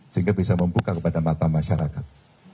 sehingga bisa membuka kepada mata masyarakat